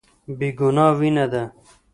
بې ګناه وينه ده.